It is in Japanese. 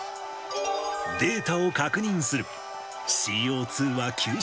データを確認する。